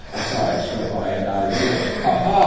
(aside, struck by an idea). Ha! ha!